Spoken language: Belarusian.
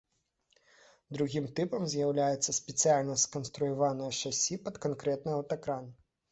Другім тыпам з'яўляецца спецыяльна сканструяванае шасі пад канкрэтны аўтакран.